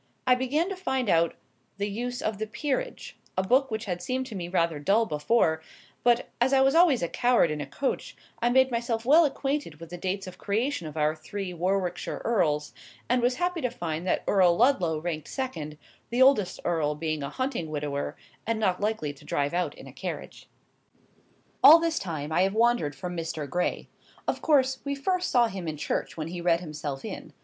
I began to find out the use of the "Peerage," a book which had seemed to me rather dull before; but, as I was always a coward in a coach, I made myself well acquainted with the dates of creation of our three Warwickshire earls, and was happy to find that Earl Ludlow ranked second, the oldest earl being a hunting widower, and not likely to drive out in a carriage. All this time I have wandered from Mr. Gray. Of course, we first saw him in church when he read himself in.